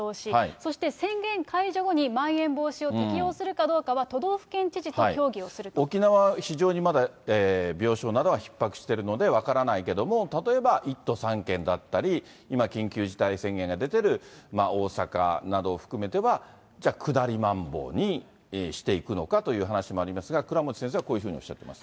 そして宣言解除後にまん延防止を適用するかどうかは都道府県知事沖縄、非常にまだ病床などはひっ迫しているので分からないけれども、例えば１都３県だったり、今、緊急事態宣言が出ている、大阪などを含めては、じゃあ下りまん防にしていくのかという話もありますが、倉持先生はこういうふうにおっしゃっています。